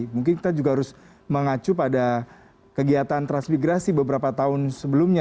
mungkin kita juga harus mengacu pada kegiatan transmigrasi beberapa tahun sebelumnya